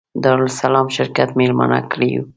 دارالسلام شرکت مېلمانه کړي یو.